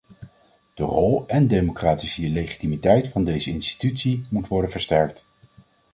De rol en democratische legitimiteit van deze institutie moeten worden versterkt.